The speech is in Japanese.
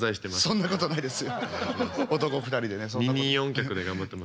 そんなことないです。